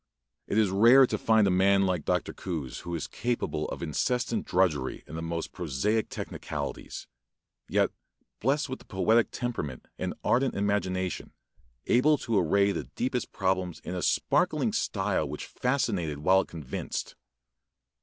It is rare to find a man like Dr. Coues, who was capable of incessant drudgery in the most prosaic technicalities, yet blessed with the poetic temperament and ardent imagination, able to array the deepest problems in a sparkling style which fascinated while it convinced.